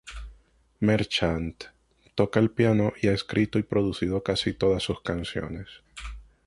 Merchant toca el piano y ha escrito y producido casi todas sus canciones.